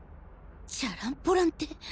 チャランポランって。